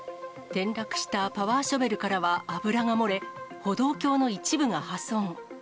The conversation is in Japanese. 転落したパワーショベルからは油が漏れ、歩道橋の一部が破損。